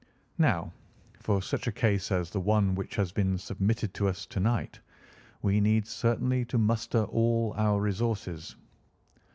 Now, for such a case as the one which has been submitted to us to night, we need certainly to muster all our resources.